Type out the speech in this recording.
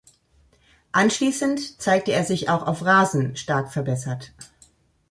Anschließend zeigte er sich auch auf Rasen stark verbessert.